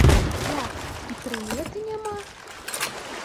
Як, і прыметы няма?